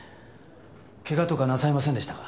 けがとかなさいませんでしたか？